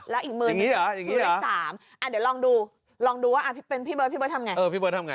แล้วอีกมือเป็นเลข๓อ่ะเดี๋ยวลองดูลองดูว่าอ่ะเป็นพี่เบิร์ดพี่เบิร์ดทำไง